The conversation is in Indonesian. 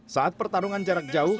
saat pertarungan jarak jauh